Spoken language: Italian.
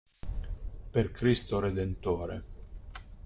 Per Cristo redentore.